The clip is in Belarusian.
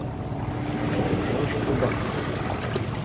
А няўжо ж у банк!